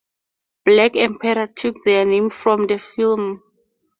Black Emperor took their name from the film.